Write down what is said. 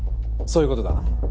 そういうことだ。